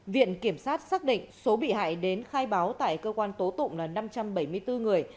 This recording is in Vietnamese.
viện kiểm sát xác định số bị hại đến khai báo tại cơ quan tố tụng là năm trăm bảy mươi bốn người